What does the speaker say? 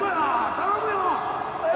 頼むよ。